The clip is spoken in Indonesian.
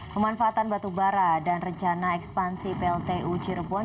pemanfaatan batubara dan rencana ekspansi pltu cirebon